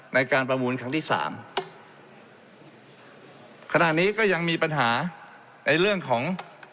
ในการประมูลครั้งที่สามขณะนี้ก็ยังมีปัญหาในเรื่องของ